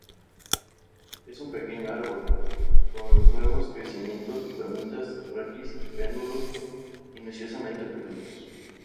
Es un pequeño árbol, con los nuevos crecimientos, ramitas, raquis y pedúnculos minuciosamente peludos.